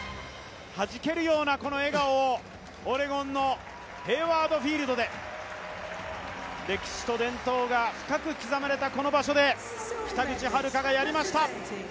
はじけるようなこの笑顔をオレゴンのヘイワード・フィールドで歴史と伝統が深く刻まれたこの場所で北口榛花がやりました。